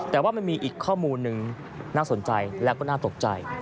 แต่ว่ามันมีอีกข้อมูลหนึ่งน่าสนใจแล้วก็น่าตกใจ